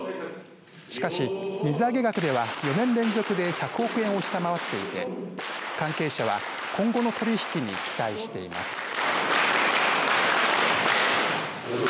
しかし水揚げ額では、４年連続で１００億円を下回っていて関係者は今後の取り引きに期待しています。